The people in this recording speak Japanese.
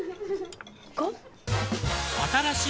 ５？